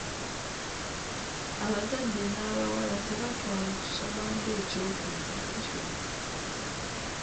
Abazadde n'abawala tebatwala kusoma nga ekyokumwanjo.